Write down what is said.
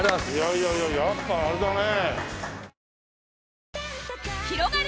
いやいやいややっぱあれだね。